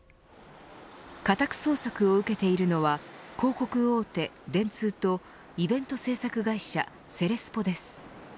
家宅捜索を受けているのは広告大手、電通とイベント制作会社セレスポです。